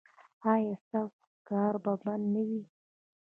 ایا ستاسو ښکار به بند نه وي؟